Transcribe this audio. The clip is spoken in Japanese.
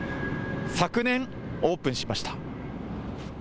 昨年、オープンしました。